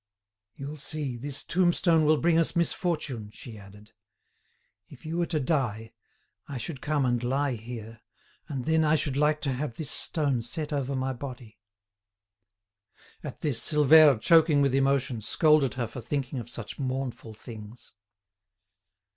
"You'll see, this tombstone will bring us misfortune," she added. "If you were to die, I should come and lie here, and then I should like to have this stone set over my body." At this, Silvère, choking with emotion, scolded her for thinking of such mournful things.